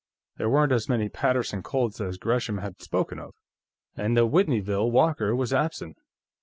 There weren't as many Paterson Colts as Gresham had spoken of, and the Whitneyville Walker was absent.